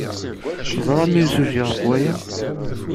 Teẓram imsujji ɣef waya?